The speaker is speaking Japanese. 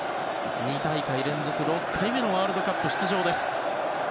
２大会連続、６回目のワールドカップ出場です。